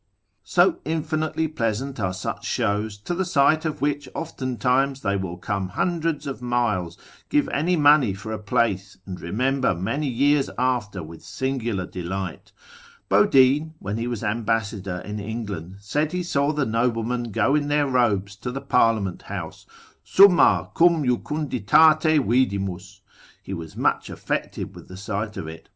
So infinitely pleasant are such shows, to the sight of which oftentimes they will come hundreds of miles, give any money for a place, and remember many years after with singular delight. Bodine, when he was ambassador in England, said he saw the noblemen go in their robes to the parliament house, summa cum jucunditate vidimus, he was much affected with the sight of it.